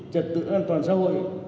trật tự an toàn xã hội